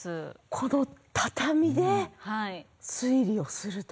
この畳で推理をすると。